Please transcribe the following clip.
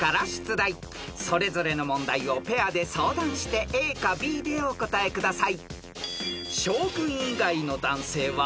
［それぞれの問題をペアで相談してＡかＢでお答えください］